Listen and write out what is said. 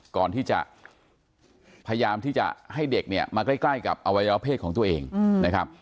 ก่อนที่จะพยายามที่จะให้เด็กเนี่ยมาใกล้กับอวัยวะเพศของตัวเองนะครับ